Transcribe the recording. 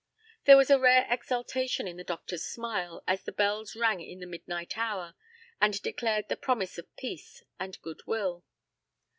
There was a rare exultation in the doctor's smile, as the bells rang in the midnight hour, and declared the promise of peace and good will.